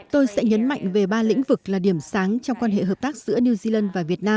tôi sẽ nhấn mạnh về ba lĩnh vực là điểm sáng trong quan hệ hợp tác giữa new zealand